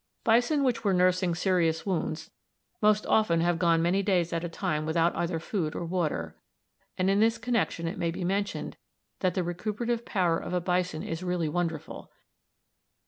Bison which were nursing serious wounds most often have gone many days at a time without either food or water, and in this connection it may be mentioned that the recuperative power of a bison is really wonderful.